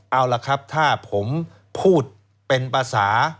เอาล่ะครับถ้าผมพูดเป็นภาษา